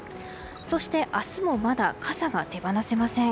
そして明日もまだ傘が手放せません。